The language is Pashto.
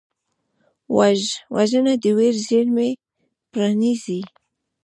وژنه د ویر زېرمې پرانیزي